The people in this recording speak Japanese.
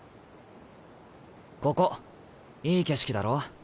ここいい景色だろう。